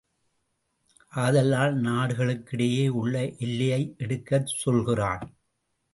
ஆதலால் நாடுகளுக்கிடையே உள்ள எல்லையை எடுக்கச் சொல்கிறான்.